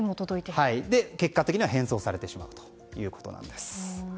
結果的には返送されてしまうということです。